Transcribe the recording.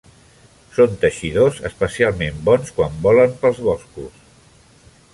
Són teixidors especialment bons quan volen pels boscos.